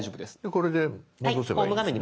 これで戻せばいいんですね。